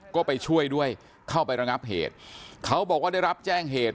ก็ไปช่วยด้วยเข้าไประงับเหตุเขาบอกว่าได้รับแจ้งเหตุ